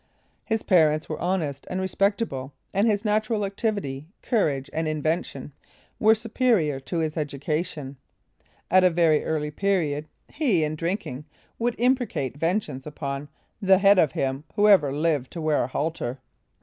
His parents were honest and respectable, and his natural activity, courage, and invention, were superior to his education. At a very early period, he, in drinking, would imprecate vengeance upon "the head of him who ever lived to wear a halter."